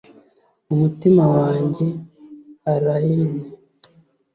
umutima wanjye, allayne.